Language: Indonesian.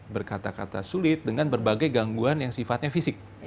berkata kata sulit dengan berbagai gangguan yang sifatnya fisik